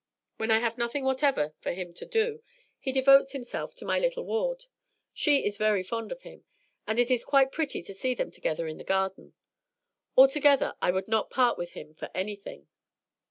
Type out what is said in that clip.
When I have nothing whatever for him to do he devotes himself to my little ward. She is very fond of him, and it is quite pretty to see them together in the garden. Altogether, I would not part with him for anything."